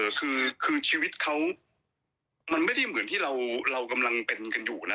คือคือคือชีวิตเขามันไม่ได้เหมือนที่เราเรากำลังเป็นกันอยู่นะ